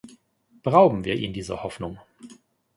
Berauben wir ihn dieser Hoffnung!